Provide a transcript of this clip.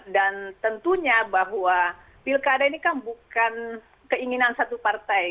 dan tentunya bahwa pilkada ini kan bukan keinginan satu partai